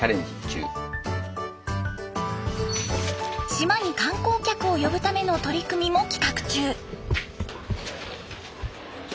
島に観光客を呼ぶための取り組みも企画中。